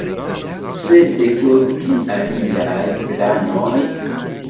Sed kio pri aliaj planoj?